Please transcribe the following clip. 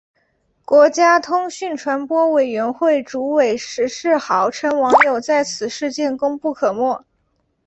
国家通讯传播委员会主委石世豪称网友在此事件功不可没。